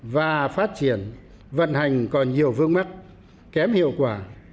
và phát triển vận hành còn nhiều vương mắc kém hiệu quả